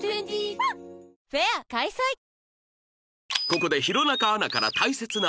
ここで